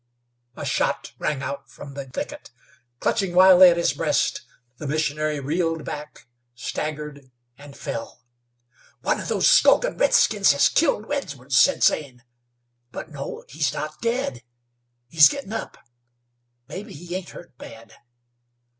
A shot rang out from the thicket. Clutching wildly at his breast, the missionary reeled back, staggered, and fell. "One of those skulkin' redskins has killed Edwards," said Zane. "But, no; he's not dead! He's gettin' up. Mebbe he ain't hurt bad.